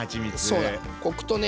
そうだね。